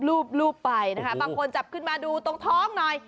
รูปไปนะคะบางคนจับขึ้นมาดูตรงท้องหน่อย